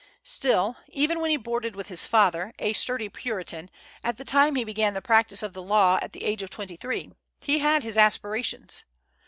Still, even when he boarded with his father, a sturdy Puritan, at the time he began the practice of the law at the age of twenty three, he had his aspirations.